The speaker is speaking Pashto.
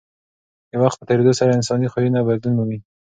د وخت په تېرېدو سره انساني خویونه بدلون مومي.